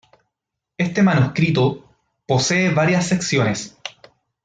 Este manuscrito posee varias secciones.